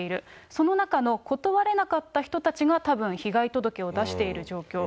その中の断れなかった人たちがたぶん被害届を出している状況。